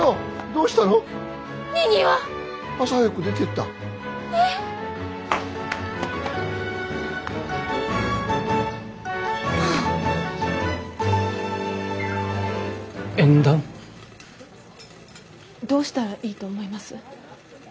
どうしたらいいと思います？